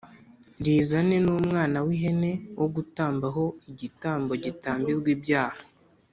rizane n umwana w ihene wo gutamba ho igitambo gitambirwa ibyaha